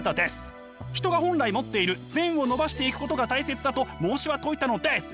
人が本来持っている善を伸ばしていくことが大切だと孟子は説いたのです！